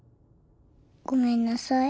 ごめんなさい。